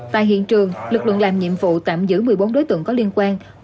tại hiện trường lực lượng làm nhiệm vụ tạm giữ một mươi bốn đối tượng có liên quan